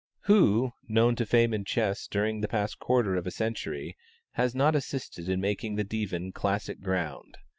Who, known to fame in chess during the past quarter of a century, has not assisted in making the Divan classic ground?